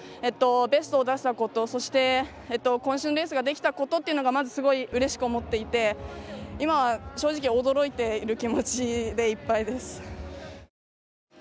ベストを出せたことこん身のレースができたことというのをまず、すごいうれしく思っていて今は、正直驚いている気持ちでいっぱいです。